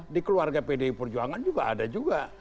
di keluarga pdi perjuangan juga ada juga